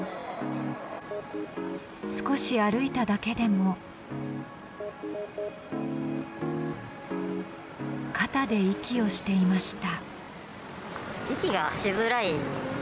少し歩いただけでも肩で息をしていました。